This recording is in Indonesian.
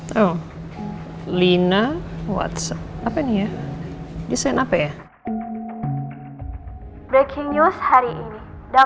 yang terbunuh versi negara